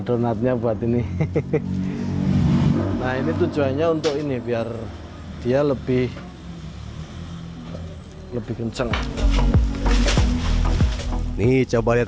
donatnya buat ini nah ini tujuannya untuk ini biar dia lebih lebih kenceng ini jawa barat